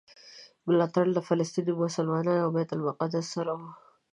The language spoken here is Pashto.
ملاتړ له فلسطیني مسلمانانو او بیت المقدس سره و.